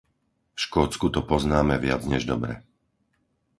V Škótsku to poznáme viac než dobre.